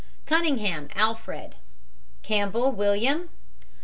CUNNINGHAM, ALFRED. CAMPBELL, WILLIAM.